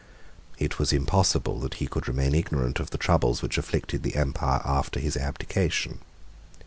It was impossible that he could remain ignorant of the troubles which afflicted the empire after his abdication.